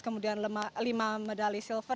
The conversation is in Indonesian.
kemudian lima medali silver